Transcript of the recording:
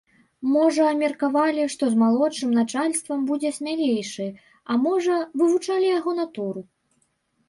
Можа, меркавалі, што з малодшым начальствам будзе смялейшы, а можа, вывучалі яго натуру?